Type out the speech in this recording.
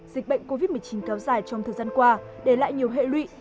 dịch bệnh covid một mươi chín kéo dài trong thời gian qua để lại nhiều hệ lụy